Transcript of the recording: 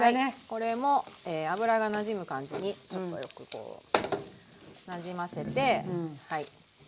これもえ油がなじむ感じにちょっとよくこうなじませてはい。